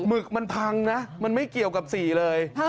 หึกมันพังนะมันไม่เกี่ยวกับ๔เลย